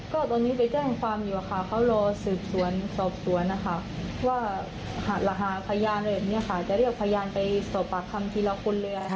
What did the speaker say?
ก็ตอนนี้ไปแจ้งความอยู่ค่ะเขารอสืบสวนสอบสวนนะคะว่าหาพยานอะไรแบบนี้ค่ะจะเรียกพยานไปสอบปากคำทีละคนเลย